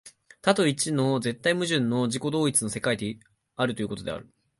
多と一との絶対矛盾の自己同一の世界であるということである。